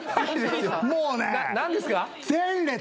もうね何ですか？